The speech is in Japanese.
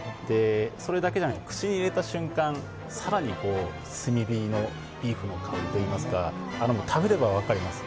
それだけじゃなく口に入れた瞬間、更に炭火のビーフの香りといいますか食べれば分かります。